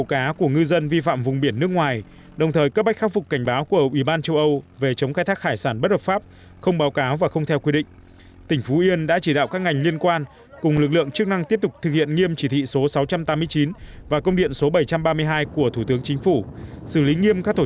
các ngư dân khai thác hải sản trên các vùng biển trông lấn có trường hợp thủy sản dồi dào